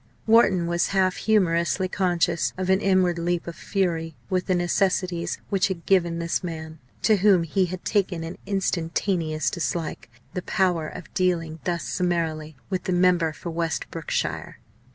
Wharton was half humorously conscious of an inward leap of fury with the necessities which had given this man to whom he had taken an instantaneous dislike the power of dealing thus summarily with the member for West Brookshire.